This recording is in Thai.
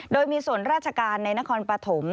โดยมีส่วนราชการในนครปฐม